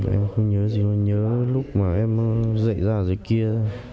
em không nhớ gì mà nhớ lúc mà em dậy ra rồi kia